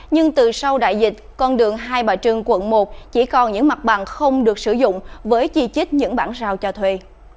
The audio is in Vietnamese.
nhưng từ sau đại dịch con đường hai bà trưng quận một chỉ còn những mặt bằng không được sử dụng với chi chích những bản rào cho thuê